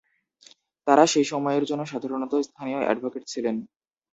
তারা সেই সময়ের জন্য সাধারণত স্থানীয় অ্যাডভোকেট ছিলেন।